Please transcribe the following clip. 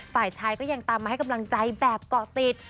ฝ่ายชายก็ยังตามมาให้กำลังใจแบบเกาะติด